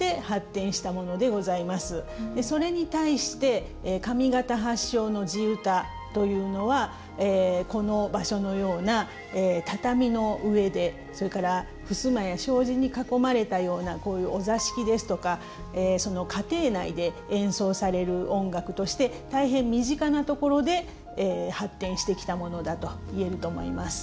それに対して上方発祥の地唄というのはこの場所のような畳の上でそれからふすまや障子に囲まれたようなこういうお座敷ですとかその家庭内で演奏される音楽として大変身近なところで発展してきたものだと言えると思います。